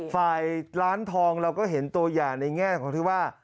ฝ่ายร้านทองเราก็เห็นตัวอย่างในแง่ของที่ว่า